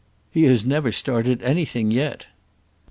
"He has never started anything yet."